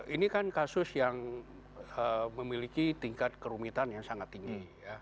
ini kan kasus yang memiliki tingkat kerumitan yang sangat tinggi